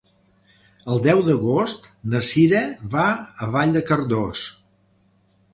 El deu d'agost na Cira va a Vall de Cardós.